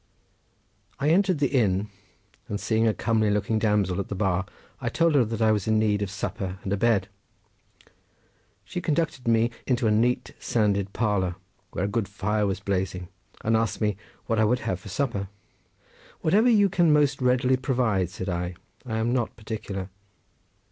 I entered the inn and seeing a comely looking damsel at the bar I told her that I was in need of supper and a bed. She conducted me into a neat sanded parlour where a good fire was blazing and asked me what I would have for supper. "Whatever you can most readily provide," said I; "I am not particular."